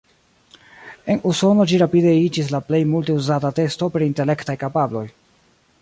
En Usono ĝi rapide iĝis la plej multe uzata testo pri intelektaj kapabloj.